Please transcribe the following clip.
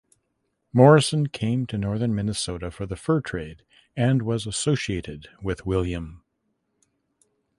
Morrison came to northern Minnesota for the fur trade and was associated with William.